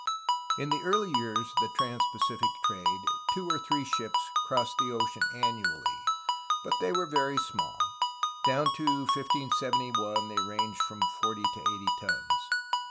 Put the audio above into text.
In the early years of the trans Pacific trade two or three ships crossed the ocean annually, but they were very small; down to 1571 they ranged from forty to eighty tons.